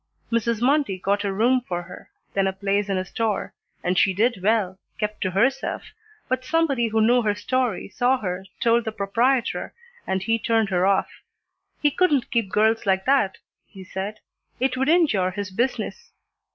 Mrs. Mundy got a room for her, then a place in a store, and she did well, kept to herself, but somebody who knew her story saw her, told the proprietor, and he turned her off. He couldn't keep girls like that, he said. It would injure his business.